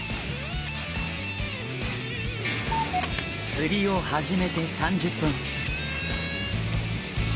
釣りを始めて３０分。